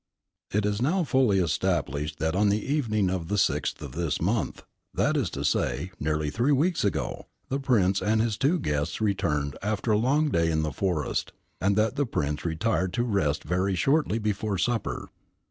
"It is now fully established that on the evening of the 6th of this month that is to say, nearly three weeks ago the Prince and his two guests returned after a long day in the forest, and that the Prince retired to rest very shortly before supper.